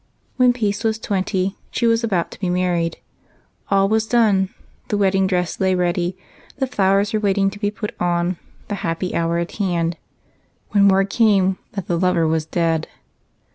When Peace was twenty, she was about to be married ; all was done, the wed ding dress lay ready, the flowers were waiting to be put on, the happy hour at hand, when word came that the lover was dead.